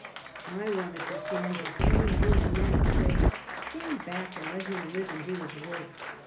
I wanted to stand between him and them, and say, " stand back, and let him live and do his work."